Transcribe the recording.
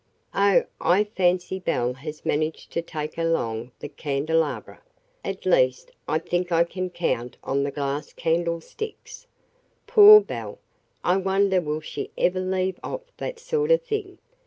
"Oh, I fancy Belle has managed to take along the candelabra. At least, I think I can count on the glass candlesticks. Poor Belle! I wonder will she ever leave off that sort of thing.